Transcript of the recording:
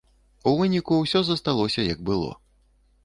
У выніку ўсё засталося як было.